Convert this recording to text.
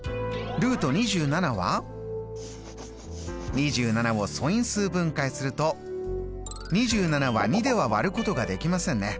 ２７を素因数分解すると２７は２では割ることができませんね。